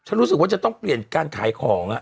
รู้สึกว่าจะต้องเปลี่ยนการขายของ